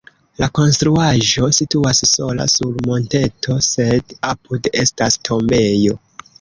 La konstruaĵo situas sola sur monteto, sed apude estas tombejo.